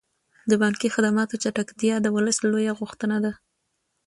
د بانکي خدماتو چټکتیا د ولس لویه غوښتنه ده.